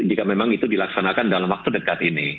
jika memang itu dilaksanakan dalam waktu dekat ini